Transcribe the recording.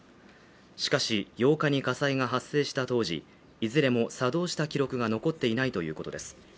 しかし８日に火災が発生した当時いずれも作動した記録が残っていないということです